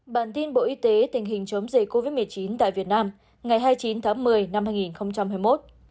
bản tin bộ y tế tình hình chống dịch covid một mươi chín tại việt nam ngày hai mươi chín tháng một mươi năm hai nghìn hai mươi một